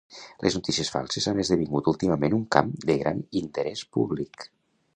Les notícies falses han esdevingut últimament un camp de gran interès públic